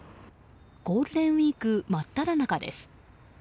ゴールデンウィーク真っただ中です。